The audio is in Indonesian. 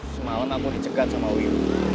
semalam aku dicegat sama wiyu